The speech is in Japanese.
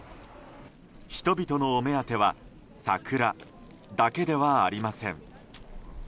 人々のお目当ては桜だけではありません。